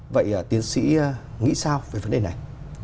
vậy tiến sĩ nghĩ sao về vấn đề này